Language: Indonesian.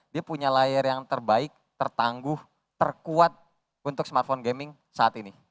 dia punya layar yang terbaik tertangguh terkuat untuk smartphone gaming saat ini